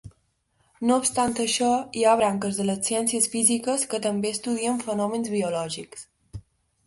No obstant això, hi ha branques de les ciències físiques que també estudien fenòmens biològics.